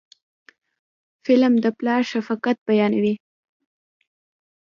فلم د پلار شفقت بیانوي